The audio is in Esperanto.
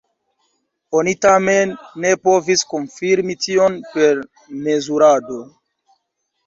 Oni tamen ne povis konfirmi tion per mezurado.